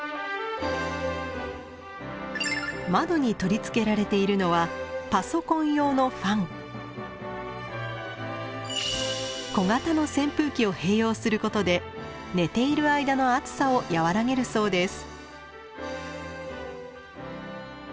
窓に取り付けられているのは小型の扇風機を併用することで寝ている間の暑さをやわらげるそうです。